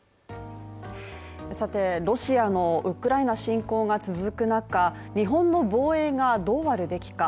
ロシアのウクライナ侵攻が続く中、日本の防衛がどうあるべきか。